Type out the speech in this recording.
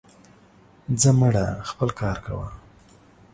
زه مړه, خپل کار کوه.